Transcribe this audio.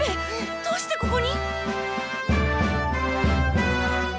どうしてここに？